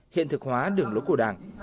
hiện thực hóa đường lối của đảng